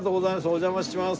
お邪魔します。